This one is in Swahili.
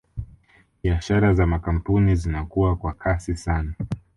Biashara za makampuni zinakua kwa kasi sana